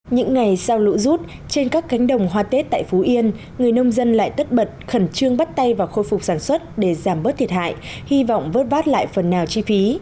những ngày sau lũ rút trên các cánh đồng hoa tết tại phú yên người nông dân lại tất bật khẩn trương bắt tay vào khôi phục sản xuất để giảm bớt thiệt hại hy vọng vớt vát lại phần nào chi phí